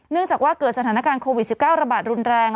จากว่าเกิดสถานการณ์โควิด๑๙ระบาดรุนแรง